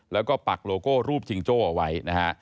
แล้วก็ปักโลโก้รูปจิงโจ้ออกไว้